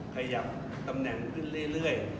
ใครอยากตำแหน่งขึ้นเรื่อย